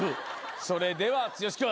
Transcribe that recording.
それでは剛君。